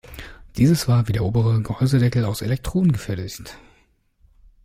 Dieses war wie der obere Gehäusedeckel aus Elektron gefertigt.